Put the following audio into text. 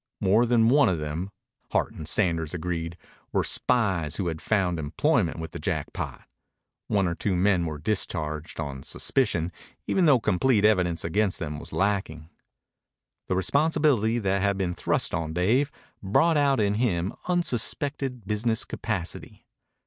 More than one of them, Hart and Sanders agreed, were spies who had found employment with the Jackpot. One or two men were discharged on suspicion, even though complete evidence against them was lacking. The responsibility that had been thrust on Dave brought out in him unsuspected business capacity.